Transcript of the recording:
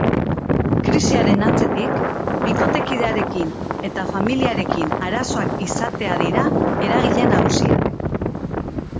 Krisiaren atzetik, bikotekidearekin eta familiarekin arazoak izatea dira eragile nagusiak.